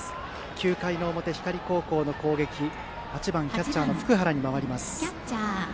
９回表、光高校の攻撃８番キャッチャーの福原に回ります。